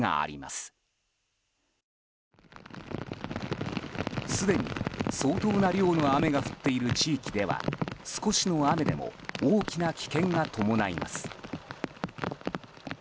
すでに相当な量の雨が降っている地域では少しの雨でも大きな危険が伴います。